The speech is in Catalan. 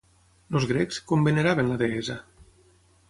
Els grecs, com veneraven la deessa?